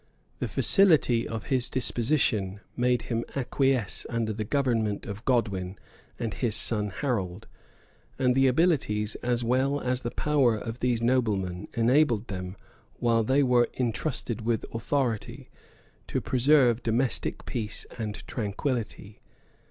The facility of his disposition made him acquiesce under the government of Godwin and his son Harold; and the abilities, as well as the power of these noblemen, enabled them, while they were intrusted with authority, to preserve domestic peace and tranquillity.